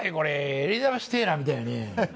エリザベス・テイラーみたいやね。